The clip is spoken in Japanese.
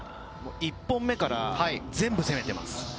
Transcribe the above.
１本目から全部攻めてます。